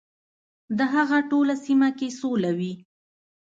د هغه ټوله سیمه کې سوله وي .